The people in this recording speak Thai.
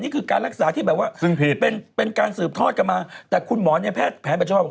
คือการรักษาเป็นการสืบทอดกลับมาแต่คุณหมอนเนี่ยแพทย์แผนเป็นชอบ